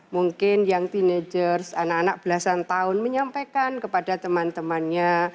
mungkin young teenagers anak anak belasan tahun menyampaikan kepada teman temannya